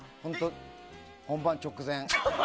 本番直前。